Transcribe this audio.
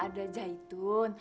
mumpung ada jahitun